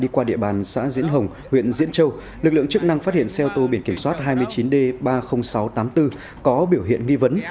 qua địa bàn xã diễn hồng huyện diễn châu lực lượng chức năng phát hiện xe ô tô biển kiểm soát hai mươi chín d ba mươi nghìn sáu trăm tám mươi bốn có biểu hiện nghi vấn